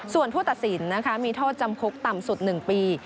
ส่วนผู้ตัดสินมีโทษจำคุกต่ำสุด๑ปี